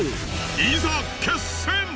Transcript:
いざ決戦！